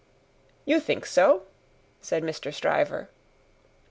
"You think so?" said Mr. Stryver.